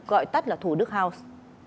gọi tắt là thủ đức house